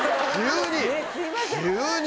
急に！